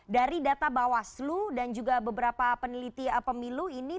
dari data bawaslu dan juga beberapa peneliti pemilu ini